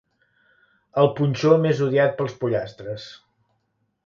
El punxó més odiat pels pollastres.